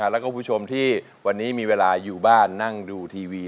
แล้วก็คุณผู้ชมที่วันนี้มีเวลาอยู่บ้านนั่งดูทีวี